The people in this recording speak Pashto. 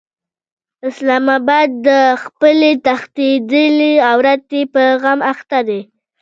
اسلام اباد د خپلې تښتېدلې عورتې په غم اخته دی.